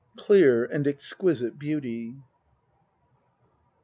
Clear and exquisite beauty.